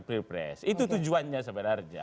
pilpres itu tujuannya sebenarnya